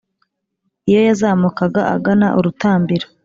Iyo yazamukaga agana urutambiro,